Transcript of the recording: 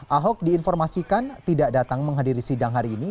ahok diinformasikan tidak datang menghadiri sidang hari ini